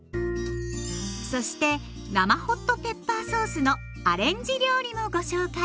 そして生ホットペッパーソースのアレンジ料理もご紹介。